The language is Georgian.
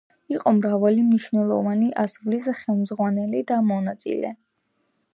იყო მრავალი მნიშვნელოვანი ასვლის ხელმძღვანელი და მონაწილე.